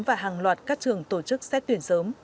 và hàng loạt các trường tổ chức xét tuyển sớm